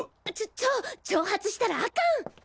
ちょ挑発したらアカン！